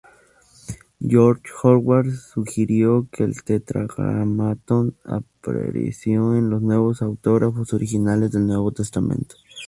George Howard sugirió que el Tetragrámaton apareció en los autógrafos originales del Nuevo Testamento.